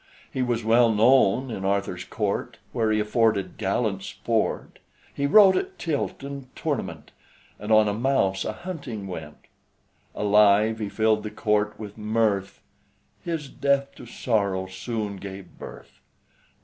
He was well known in Arthur's Court, Where he afforded gallant sport; He rode at tilt and tournament, And on a mouse a hunting went. Alive he filled the Court with mirth; His death to sorrow soon gave birth.